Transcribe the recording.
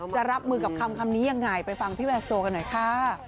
จะรับมือกับคำนี้ยังไงไปฟังพี่แวร์โซกันหน่อยค่ะ